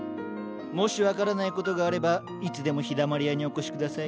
もし分からないことがあればいつでも陽だまり屋にお越し下さい。